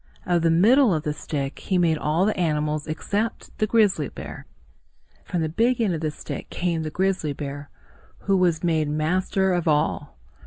Of the middle of the stick, he made all the animals except the grizzly bear. From the big end of the stick came the grizzly bear, who was made master of all.